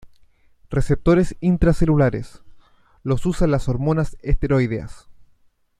Receptores intracelulares: los usan las hormonas esteroideas.